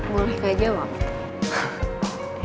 boleh keaja bang